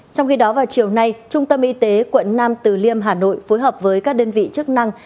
trong khi đó vào chiều nay trung tâm y tế quận nam từ liêm hà nội phối hợp với các đơn vị chức năng